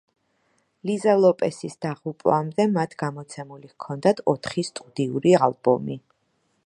ლიზა ლოპესის დაღუპვამდე მათ გამოცემული ჰქონდათ ოთხი სტუდიური ალბომი.